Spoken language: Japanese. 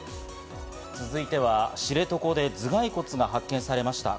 続いては、知床で頭蓋骨が発見されました。